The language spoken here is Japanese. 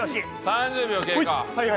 ３０秒経過。